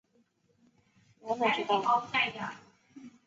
现职为香港的士司机。